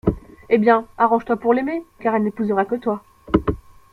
Eh bien, arrange-toi pour l’aimer, car elle n’épousera que toi.